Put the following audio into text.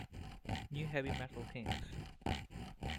New Heavy Metal Kings.